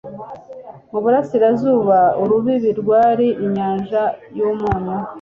mu burasirazuba, urubibi rwari inyanja y'umunyu